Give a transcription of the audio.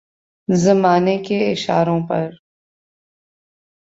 زمانے کے اشاروں پر